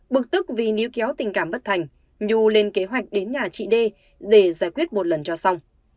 bực tức vì níu kéo tình cảm bất thành nhu lên kế hoạch đến nhà chị đê để giải quyết một lần cho xong